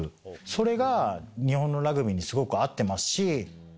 それが日本のラグビーにすごく合ってますし。